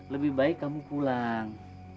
lebih baik kamu pulang